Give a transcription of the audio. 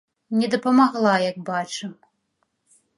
Не дапамагла, як бачым.